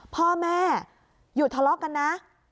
พ่อแม่อยู่ทะเลาะกันนะ